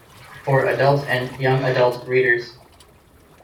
For adult and young adult readers.